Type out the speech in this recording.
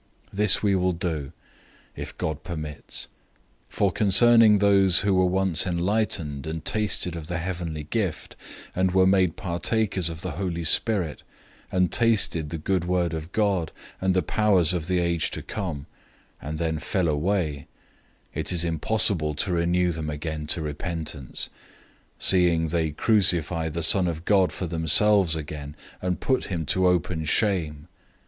006:003 This will we do, if God permits. 006:004 For concerning those who were once enlightened and tasted of the heavenly gift, and were made partakers of the Holy Spirit, 006:005 and tasted the good word of God, and the powers of the age to come, 006:006 and then fell away, it is impossible to renew them again to repentance; seeing they crucify the Son of God for themselves again, and put him to open shame.